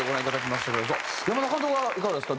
さあ山田監督はいかがですか？